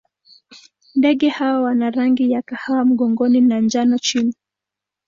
Ndege hawa wana rangi ya kahawa mgongoni na njano chini.